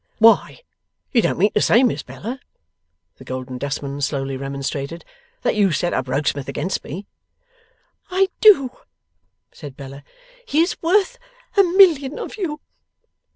'Why, you don't mean to say, Miss Bella,' the Golden Dustman slowly remonstrated, 'that you set up Rokesmith against me?' 'I do!' said Bella. 'He is worth a Million of you.